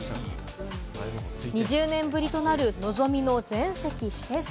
２０年ぶりとなる、のぞみの全席指定席。